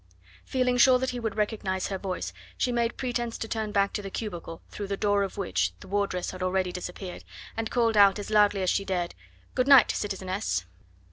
Feeling sure that he would recognise her voice, she made pretence to turn back to the cubicle through the door of which the wardress had already disappeared, and called out as loudly as she dared: "Good night, citizeness!"